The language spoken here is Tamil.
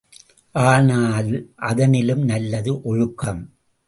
ஆனால், அதனினும் நல்லது ஒழுக்கம்.